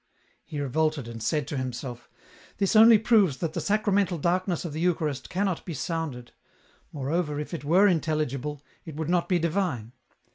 He revolted, and said to himself :" This only proves that the sacramental darkness of the Eucharist cannot be sounded. Moreover, if it were intelligible, it would not be divine.